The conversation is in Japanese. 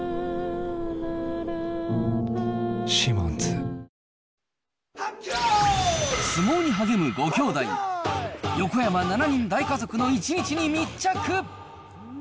このあと、相撲に励む５兄弟、横山７人大家族の１日に密着。